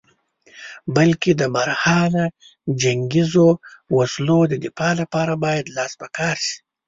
بلکې د برحاله جنګیزو وسلو د دفاع لپاره باید لاس په کار شې.